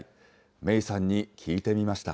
メイさんに聞いてみました。